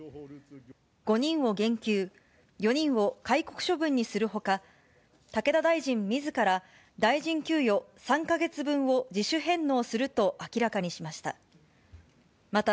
５人を減給、４人を戒告処分にするほか、武田大臣みずから大臣給与３か月分を自主返納すると明らかにしました。